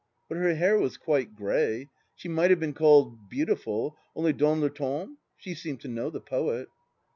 But her hair was quite grey; she might have been called beautiful, only dans le temps ?... She seemed to know the poet.